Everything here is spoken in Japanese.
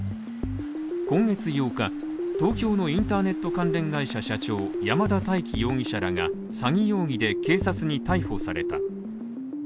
今月８日、東京のインターネット関連会社社長山田大紀容疑者らが詐欺容疑で警察に逮捕された。